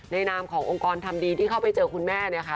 นามขององค์กรทำดีที่เข้าไปเจอคุณแม่เนี่ยค่ะ